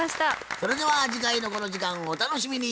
それでは次回のこの時間をお楽しみに。